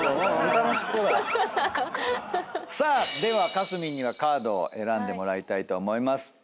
さあではかすみんにはカードを選んでもらいたいと思います。